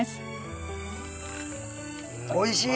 おいしい！